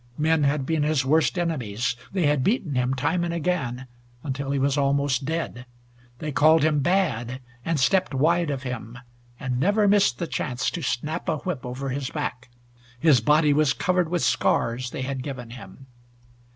Men had been his worst enemies. They had beaten him time and again until he was almost dead. They called him "bad," and stepped wide of him, and never missed the chance to snap a whip over his back. His body was covered with scars they had given him.